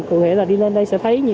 cụ thể là đi lên đây sẽ thấy